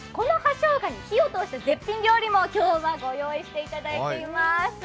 しょうがに火を通した絶品料理も今日はご用意していただいています。